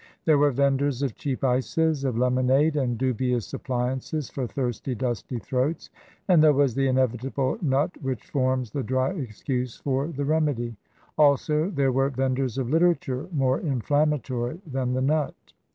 There were vendors of cheap ices, of lemonade and dubious appliances for thirsty, dusty throats, and there was the inevitable nut which forms the dry excuse for the remedy. Also there were vendors of literature more inflammatory than the nut.